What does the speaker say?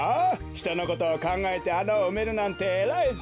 ひとのことをかんがえてあなをうめるなんてえらいぞ。